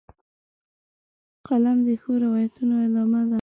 قلم د ښو روایتونو ادامه ده